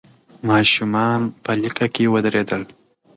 ماشومان په لیکه کې ودرېدل.